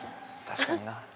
確かにな。